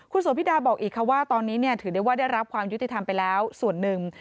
โสพิดาบอกอีกค่ะว่าตอนนี้ถือได้ว่าได้รับความยุติธรรมไปแล้วส่วนหนึ่ง